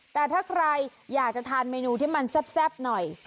แต่ถ้าใครอยากจะทานเมนูที่มันแซ่บหน่อย